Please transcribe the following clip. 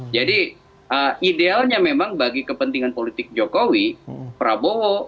meskipun ego dari ya partai dan figur yang mau di jodohkan itu tidak mudah untuk bertemu di putaran pertama menurut saya gitu ya